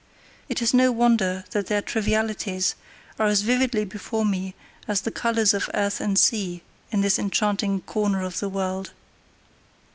It is no wonder that their trivialities are as vividly before me as the colours of earth and sea in this enchanting corner of the world.